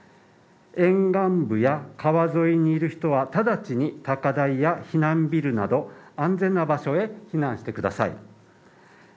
沿岸部や川沿いにいる人は直ちに高台や避難ビルなど安全な場所へ避難してください。